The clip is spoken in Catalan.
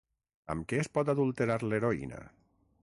Amb què es pot adulterar l'heroïna?